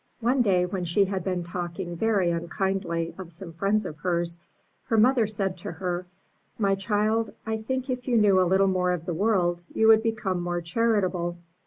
One day, when she had been talking very unkindly of some friends of hers, her mother said to her, ''My child, I think if you knew a little more of the world you would become more charitable.